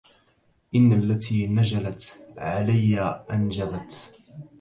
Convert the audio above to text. إن التي نجلت عليا أنجبت